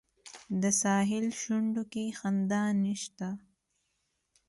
د ساحل شونډو کې خندا نشته